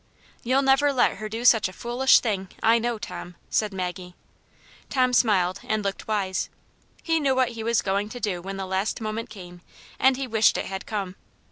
"You'll never let her do such a foolish thing, I know, Tom," said Maggie. Tom smiled and looked wise. He knew what he was going to do when the last moment came, and he wished it had come.